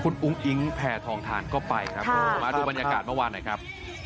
คุณอุ้งอิ๊งแผ่ทองทานก็ไปครับมาดูบรรยากาศเมื่อวานหน่อยครับ